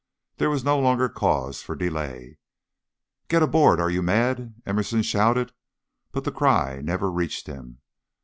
There was no longer cause for delay. "Get aboard! Are you mad?" Emerson shouted, but the cry never reached him.